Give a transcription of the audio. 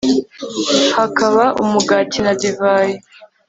hakaba umugati na divayi